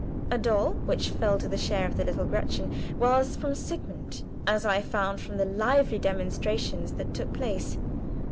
A doll which fell to the share of the little Gretchen was from Sigmund, as I found from the lively demonstrations that took place.